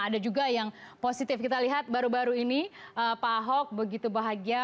ada juga yang positif kita lihat baru baru ini pak ahok begitu bahagia